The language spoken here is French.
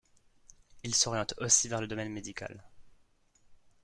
Il s’oriente aussi vers le domaine médical.